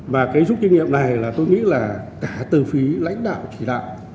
và cái giúp kinh nghiệm này là tôi nghĩ là cả từ phí lãnh đạo chỉ đạo